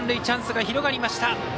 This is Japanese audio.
チャンスが広がりました。